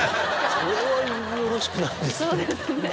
それはよろしくないですね。